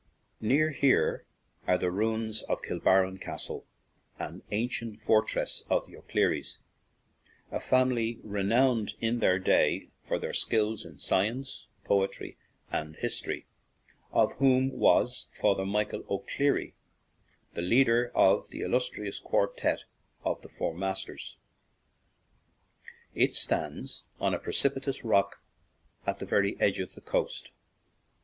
Near here are the ruins of Kilbarron Castle, an ancient fortress of the O'Clerys, a family renowned in their day for their skill in science, poetry, and history, of whom was Father Michael O'Clery, the leader of the illustrious quartet of the " Four Masters/' It stands on a pre 60 BALLYSHANNON TO SLIGO cipitous rock at the very edge of the coast.